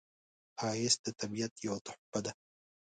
ښایست د طبیعت یوه تحفه ده